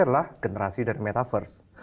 adalah generasi dari metaverse